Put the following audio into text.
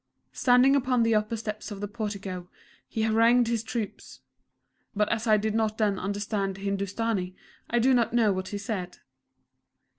Standing upon the upper steps of the portico he harangued his troops; but as I did not then understand Hindustani I do not know what he said.